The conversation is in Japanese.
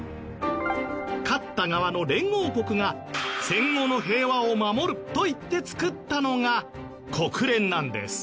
勝った側の連合国が「戦後の平和を守る！」と言って作ったのが国連なんです。